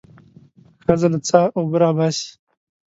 ښځه له څاه اوبه راباسي.